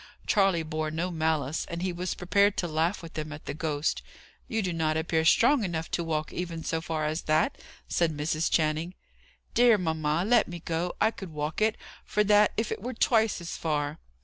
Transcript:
Charley bore no malice, and he was prepared to laugh with them at the ghost. "You do not appear strong enough to walk even so far as that," said Mrs. Channing. "Dear mamma, let me go! I could walk it, for that, if it were twice as far."